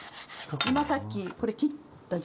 今さっきこれ切ったじゃないですか。